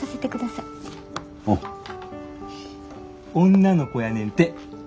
女の子やねんて。